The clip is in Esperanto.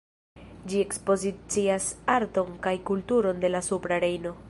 Ĝi ekspozicias arton kaj kulturon de la Supra Rejno.